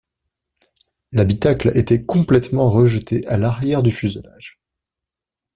L’habitacle était complètement rejeté à l'arrière du fuselage.